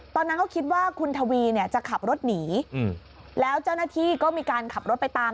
ตอนนั้นเขาคิดว่าคุณทวีเนี่ยจะขับรถหนีแล้วเจ้าหน้าที่ก็มีการขับรถไปตาม